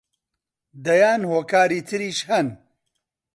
دەیان هۆکاری تریش هەن